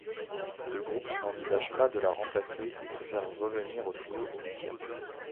Le groupe n'envisage pas de la remplacer et préfère revenir au trio initial.